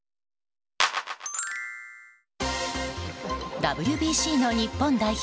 ＷＢＣの日本代表